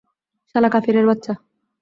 শালা কাফিরের বাচ্চা!